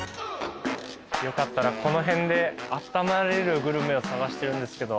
よかったらこの辺であったまれるグルメを探してるんですけど。